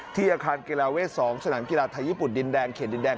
ที่อาคารเกราะวิทย์๒สนานกีฬาศาสตร์ไทยญี่ปุ่นดินแดงเข่นดินแดง